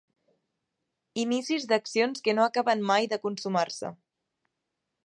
Inicis d'accions que no acaben mai de consumar-se.